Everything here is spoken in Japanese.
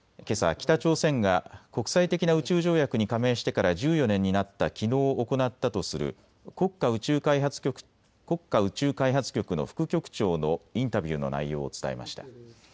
北朝鮮が国際的な宇宙条約に加盟してから１４年になったきのう行ったとする国家宇宙開発局の副局長のインタビューの内容を伝えました。